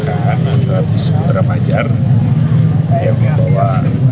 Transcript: tinggal di sana ya